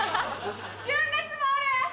純烈もおる！